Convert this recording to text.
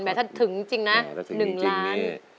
ถ้าถึงจริงนะ๑ล้าน